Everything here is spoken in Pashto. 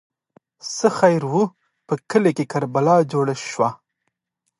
ـ څه خیر وو، په کلي کې کربلا جوړه شوه.